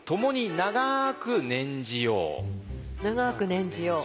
長く念じよう。